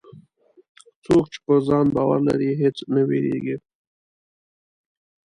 څوک چې پر ځان باور لري، هېڅ نه وېرېږي.